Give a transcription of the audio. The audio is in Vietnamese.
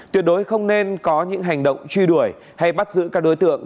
tuyệt đối không nên có những hành động truy đuổi hay bắt giữ các đối tượng